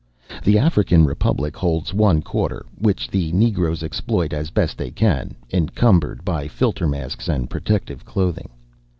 The African Republic holds one quarter which the Negroes exploit as best they can, encumbered by filter masks and protective clothing.